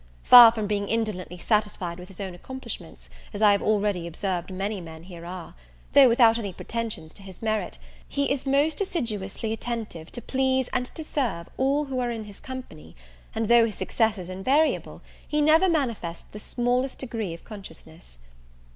Far from being indolently satisfied with his own accomplishments, as I have already observed many men here are, though without any pretensions to his merit, he is most assiduously attentive to please and to serve all who are in his company, and, though his success is invariable, he never manifests the smallest degree of consciousness.